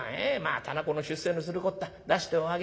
店子の出世のするこった出しておあげ。